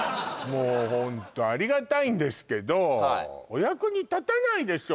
もうホントありがたいんですけどお役に立たないでしょ